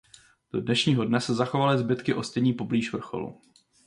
Do dnešního dne se zachovaly zbytky ostění poblíž vrcholu.